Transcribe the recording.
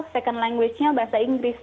second language nya bahasa inggris